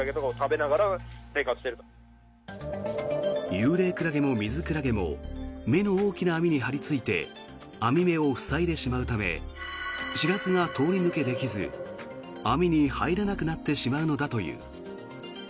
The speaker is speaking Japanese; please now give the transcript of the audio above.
ユウレイクラゲもミズクラゲも目の大きな網に張りついて網目を塞いでしまうためシラスが通り抜けできず網に入らなくなってしまうのだという。